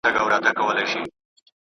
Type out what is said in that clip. د پيغمبر پر لاره روان سئ.